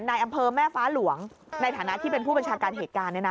ในอำเภอแม่ฟ้าหลวงในฐานะที่เป็นผู้บัญชาการเหตุการณ์